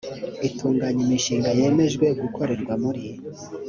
itunganya imishinga yemejwe gukorerwa muri